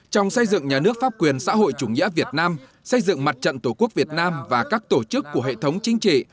trong xây dựng nhà nước pháp quyền xã hội chủ nghĩa việt nam xây dựng mặt trận tổ quốc việt nam và các tổ chức của hệ thống chính trị